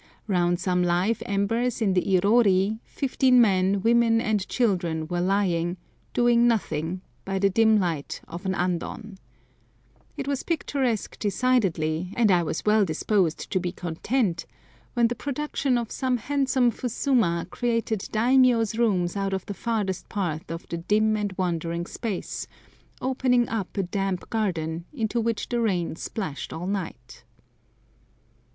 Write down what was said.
Round some live embers in the irori fifteen men, women, and children were lying, doing nothing, by the dim light of an andon. It was picturesque decidedly, and I was well disposed to be content when the production of some handsome fusuma created daimiyô's rooms out of the farthest part of the dim and wandering space, opening upon a damp garden, into which the rain splashed all night.